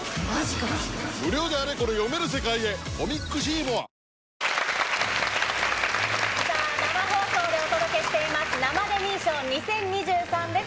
電動アシストブラシ誕生さあ、生放送でお届けしています、生デミー賞２０２３です。